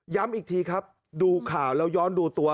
ย้ำอีกทีครับดูข่าวย้อนดูตัว